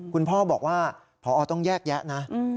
คุณพ่อบอกว่าพอต้องแยกแยะนะ